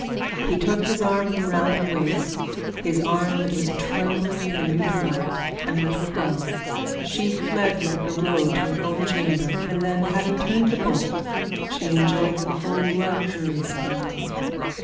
He took his arm from round her waist, his arm that was trembling with a new delight, and let her go. She fled like a roe to her own chamber, and then, having turned the bolt, she enjoyed the full luxury of her love.